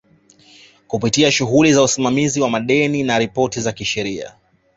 kupitia shughuli za usimamizi wa madeni na ripoti za kisheria